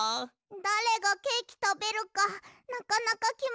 だれがケーキたべるかなかなかきまらないね。